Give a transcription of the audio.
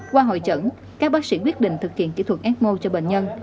qua hội chẩn các bác sĩ quyết định thực hiện kỹ thuật ecmo cho bệnh nhân